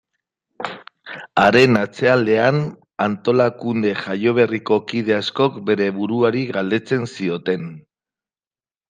Haren atzealdean, antolakunde jaioberriko kide askok bere buruari galdetzen zioten.